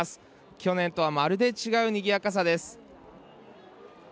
去年とはまるで違うにぎやかさです。